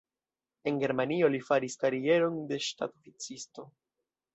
En Germanio li faris karieron de ŝtatoficisto.